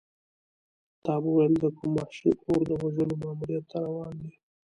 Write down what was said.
تا به ویل د کوم وحشي اور د وژلو ماموریت ته روان دی.